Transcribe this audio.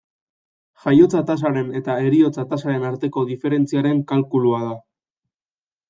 Jaiotza-tasaren eta heriotza-tasaren arteko diferentziaren kalkulua da.